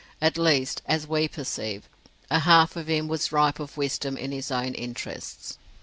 At least, as we perceive, a half of him was ripe of wisdom in his own interests.